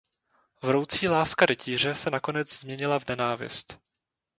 Vroucí láska rytíře se nakonec změnila v nenávist.